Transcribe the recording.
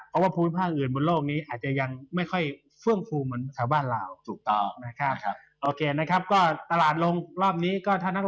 เพราะว่าภูมิภาคอื่นบนโลกนี้อาจจะยังไม่ค่อยเฟื่องฟูเหมือนสาวบ้านเรา